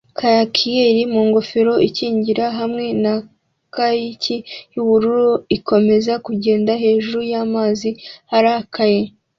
Kayakier mu ngofero ikingira hamwe na kayaki y'ubururu ikomeza kugenda hejuru y'amazi arakaye